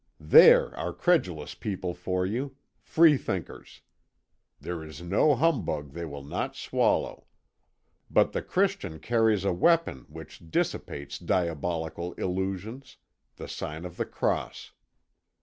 There are credulous people for you freethinkers! There is no humbug they will not swallow. But the Christian carries a weapon which dissipates diabolical illusions, the sign of the Cross.